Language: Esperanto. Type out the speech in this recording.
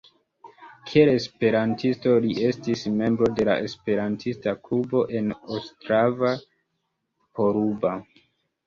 Kiel esperantisto li estis membro de la esperantista klubo en Ostrava-Poruba.